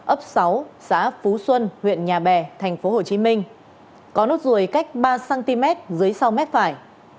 ấp sáu xã phú xuân huyện nhà bè tp hcm có nốt ruồi cách ba cm dưới sau mép phải